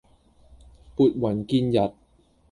撥雲見日